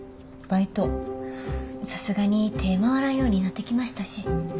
さすがに手ぇ回らんようになってきましたし。